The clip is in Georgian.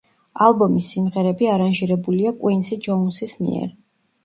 ალბომის სიმღერები არანჟირებულია კუინსი ჯოუნსის მიერ.